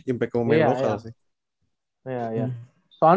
impact ke pemain lokal sih